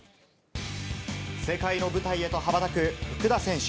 世界の舞台へとはばたく福田選手。